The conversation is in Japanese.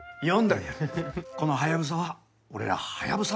このハヤブサは俺らハヤブサ